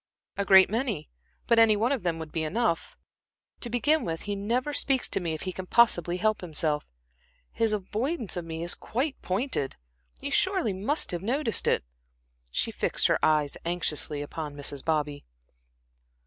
"A great many, but any one of them would be enough. To begin with, he never speaks to me if he can possibly help himself. His avoidance of me is quite pointed you surely must have noticed it?" She fixed her eyes anxiously upon Mrs. Bobby.